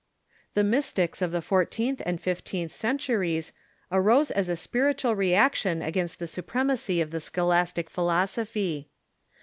The Mystics of the fourteenth and fifteenth centuries arose as a spiritual reaction against the supremacy of the scholastic philosophy.